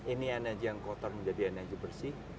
ini energi yang kotor menjadi energi bersih